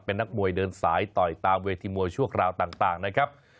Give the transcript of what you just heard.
เป็นนักมวยเดินสายต่อยตามเวทีมวยชั่วคราวต่างนะครับ